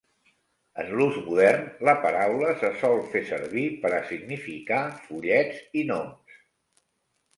En l'ús modern, la paraula se sol fer servir per a significar follets i gnoms.